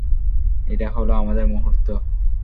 এটা হল আমাদের মুহূর্ত।